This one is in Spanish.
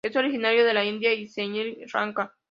Es originario de la India y Sri Lanka.